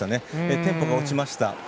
テンポが落ちました。